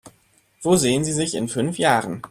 Wo sehen Sie sich in fünf Jahren?